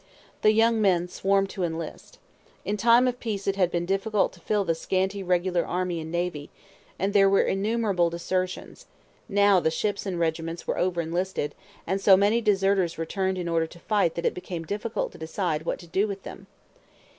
The young men swarmed to enlist. In time of peace it had been difficult to fill the scanty regular army and navy, and there were innumerable desertions; now the ships and regiments were over enlisted, and so many deserters returned in order to fight that it became difficult to decide what to do with them.